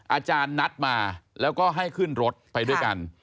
อาจารย์นัดมาแล้วก็ให้ขึ้นรถไปด้วยกัน